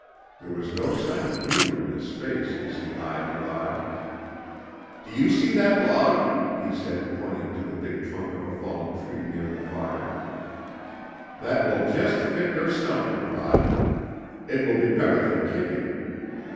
There was no sign of humor in his face as he eyed Rod. "Do you see that log?" he said, pointing to the big trunk of a fallen tree near the fire "That will just fit your stomach, Rod. It will be better than kicking.